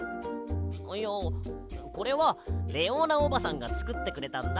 いやこれはレオーナおばさんがつくってくれたんだ。